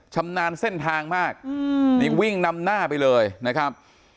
ชำนาญเส้นทางมากนี่วิ่งนำหน้าไปเลยนะครับ